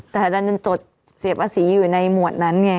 แต่ดันเป็นจดเสียบภาษีอยู่ในหมวดนั้นไง